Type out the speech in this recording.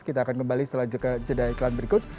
kita akan kembali setelah jeda iklan berikut